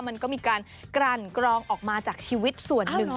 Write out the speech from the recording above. มันก็มีการกลั่นกรองออกมาจากชีวิตส่วนหนึ่ง